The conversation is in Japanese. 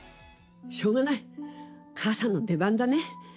しょうがない母さんの出番だね。